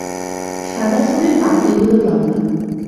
সাদা ফুলের পাপড়িগুলো লম্বা।